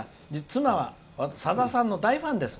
妻は、さださんの大ファンです。